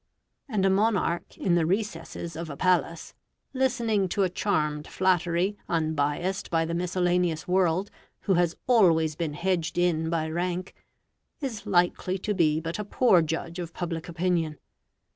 And a monarch in the recesses of a palace, listening to a charmed flattery unbiassed by the miscellaneous world, who has always been hedged in by rank, is likely to be but a poor judge of public opinion.